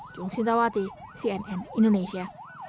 jung sintawati cnn indonesia